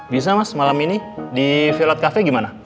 bisa mas malam ini di violot cafe gimana